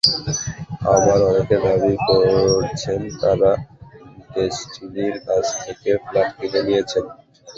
আবার অনেকে দাবি করছেন, তাঁরা ডেসটিনির কাছ থেকে ফ্ল্যাট কিনে নিয়েছেন।